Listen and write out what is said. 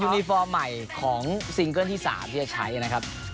นิฟอร์มใหม่ของซิงเกิ้ลที่๓ที่จะใช้นะครับ